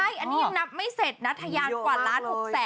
ใช่อันนี้ยังนับไม่เสร็จนะทยานกว่า๑๖๐๐๐๐๐บาท